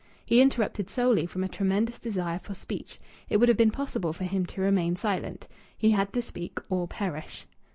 He interrupted solely from a tremendous desire for speech. It would have been impossible for him to remain silent. He had to speak or perish.